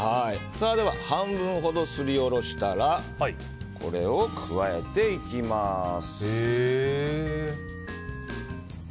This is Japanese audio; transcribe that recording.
では半分ほどすりおろしたらこれを加えていきます。